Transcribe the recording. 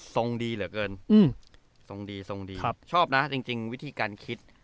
ทรงดีเหรอเกินอืมทรงดีทรงดีครับชอบน่ะจริงจริงวิธีการคิด